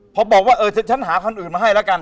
พอบอกว่าเออฉันหาคันอื่นมาให้แล้วกัน